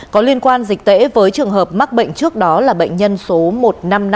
có liên quan dịch tễ với trường hợp mắc bệnh trước đó là bệnh nhân số một nghìn năm trăm năm mươi ba